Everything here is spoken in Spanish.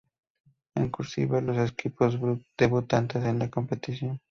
En "cursiva" los equipos debutantes en la competición.